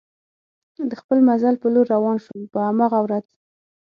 د خپل مزل په لور روان شوم، په هماغه ورځ.